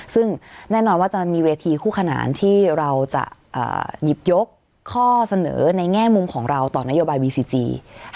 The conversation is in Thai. ซึ่งแน่นอนว่าจะมีเวทีคู่ขนานที่เราจะหยิบยกข้อเสนอในแง่มุมของเราต่อนโยบายวีซีจี